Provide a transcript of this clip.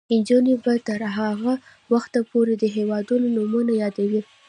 نجونې به تر هغه وخته پورې د هیوادونو نومونه یادوي.